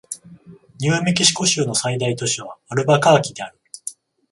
ニューメキシコ州の最大都市はアルバカーキである